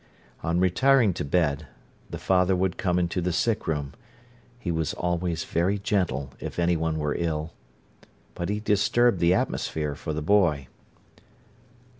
On retiring to bed, the father would come into the sickroom. He was always very gentle if anyone were ill. But he disturbed the atmosphere for the boy.